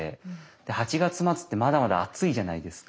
８月末ってまだまだ暑いじゃないですか。